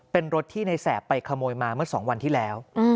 เป็นรถที่ในแสบไปขโมยมาเมื่อ๒วันที่แล้ว